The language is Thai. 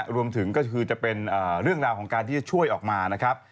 รวมถึงก็คือจะเป็นเรื่องราวของการที่จะช่วยออกมานะครับ